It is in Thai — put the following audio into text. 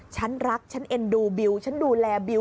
ฉันรักฉันเอ็นดูบิวฉันดูแลบิว